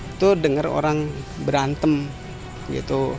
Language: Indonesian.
itu dengar orang berantem gitu